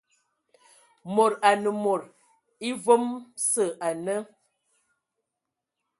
Mod anə mod evam sə ane..